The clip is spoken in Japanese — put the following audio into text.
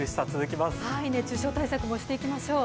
熱中症対策もしていきましょう。